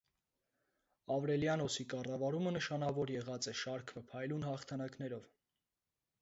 Աւրելիանոսի կառավարումը նշանաւոր եղած է շարք մը փայլուն յաղթանակներով։